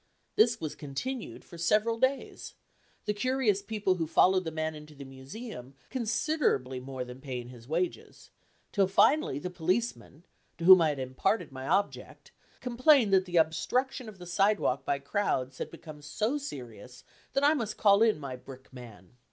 This was continued for several days the curious people who followed the man into the Museum considerably more than paying his wages till finally the policeman, to whom I had imparted my object, complained that the obstruction of the sidewalk by crowds had become so serious that I must call in my "brick man."